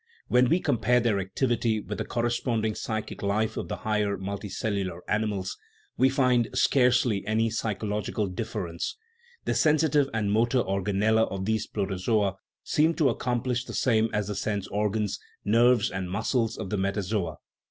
When We compare their activity with the corresponding psy chic life of the higher, multicellular animals, we find scarcely any psychological difference; the sensitive and motor organella of these protozoa seem to accom plish the same as the sense organs, nerves, and muscles of the metazoa.